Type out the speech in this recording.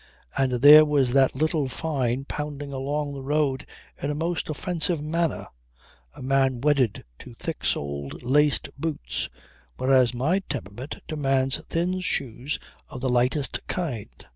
And there was that little Fyne pounding along the road in a most offensive manner; a man wedded to thick soled, laced boots; whereas my temperament demands thin shoes of the lightest kind.